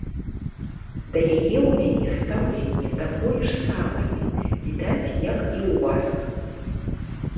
Да яе ў мяне стаўленне такое ж самае, відаць, як і ў вас.